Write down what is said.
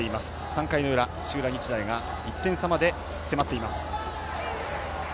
３回の裏、土浦日大が１点差まで迫っています。